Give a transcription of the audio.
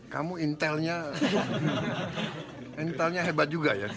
kamu intelnya intelnya hebat juga ya